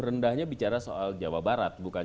rendahnya bicara soal jawa barat bukan